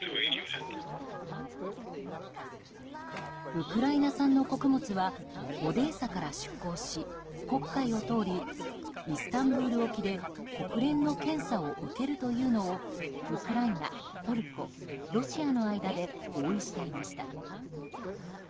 ウクライナ産の穀物はオデーサから出港し黒海を通り、イスタンブール沖で国連の検査を受けるというのをウクライナ・トルコ・ロシアの間で合意していました。